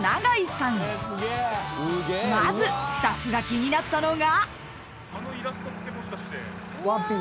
［まずスタッフが気になったのが］